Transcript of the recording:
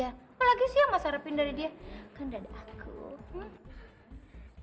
apalagi sih yang mas harapin dari dia kan gak ada aku